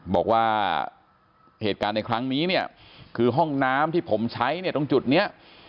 บอกว่าเหตุการณ์ในครั้งนี้เนี่ยคือห้องน้ำที่ผมใช้เนี่ยตรงจุดนี้